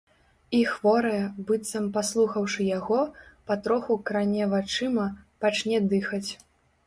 І хворая, быццам паслухаўшы яго, патроху кране вачыма, пачне дыхаць.